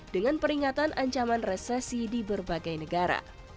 dengan peringatan ancaman resesi di berbagai negara